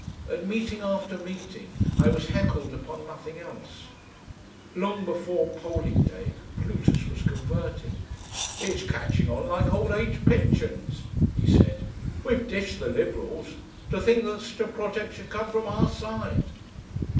At meeting after meeting I was heckled upon nothing else. Long before polling day Plutus was converted. "It's catching on like old age pensions," he said. "We've dished the Liberals! To think that such a project should come from our side!"